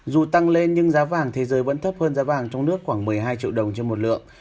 dù tăng lên nhưng giá vàng thế giới vẫn thấp hơn giá vàng trong nước khoảng một mươi hai triệu đồng trên một lượng